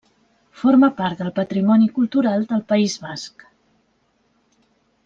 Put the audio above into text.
Forma part del patrimoni cultural del País Basc.